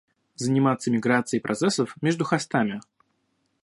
Заниматься миграцией процессов между хостами